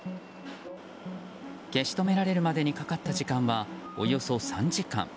消し止められるまでにかかった時間はおよそ３時間。